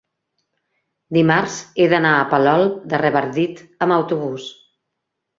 dimarts he d'anar a Palol de Revardit amb autobús.